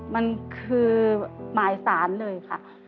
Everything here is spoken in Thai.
มันคือหมายสารเลยค่ะ